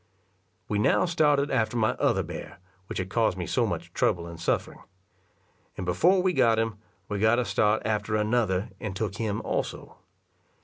We now started after my other bear, which had caused me so much trouble and suffering; and before we got him, we got a start after another, and took him also.